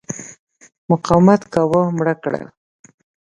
مقاومت کاوه مړه کړل.